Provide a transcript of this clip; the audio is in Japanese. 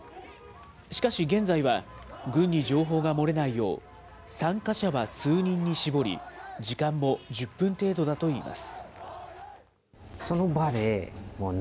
しかし、現在は軍に情報が漏れないよう、参加者は数人に絞り、時間も１０分程度だといいます。